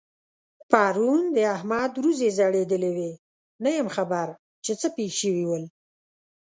پرون د احمد وريځې ځړېدلې وې؛ نه یم خبر چې څه پېښ شوي ول؟